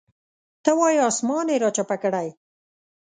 ته وایې اسمان یې راچپه کړی.